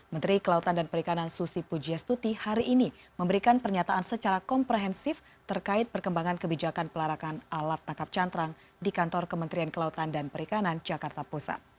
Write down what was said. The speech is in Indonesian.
menteri kelautan dan perikanan susi pujiastuti hari ini memberikan pernyataan secara komprehensif terkait perkembangan kebijakan pelarakan alat tangkap cantrang di kantor kementerian kelautan dan perikanan jakarta pusat